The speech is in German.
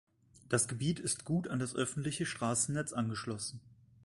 Das Gebiet ist gut an das öffentliche Straßennetz angeschlossen.